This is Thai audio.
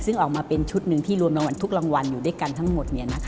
ซึ่งออกมาเป็นชุดหนึ่งที่รวมรางวัลทุกรางวัลอยู่ด้วยกันทั้งหมด